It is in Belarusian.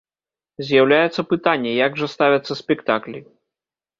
З'яўляецца пытанне, як жа ставяцца спектаклі?